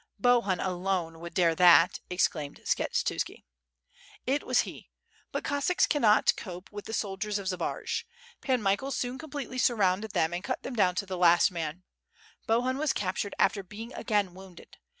"Bohun alone would dare that," exclaimed Skshetuski. "It was he. But Cossacks cannot cope with the soldiers of Zbaraj. Pan Michael soon completely surrounded them and cut them down to the last man; Bohun was captured after being again wounded.